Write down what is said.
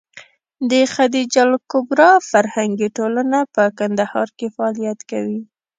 د خدېجه الکبرا فرهنګي ټولنه په کندهار کې فعالیت کوي.